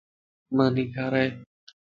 ماني کارائي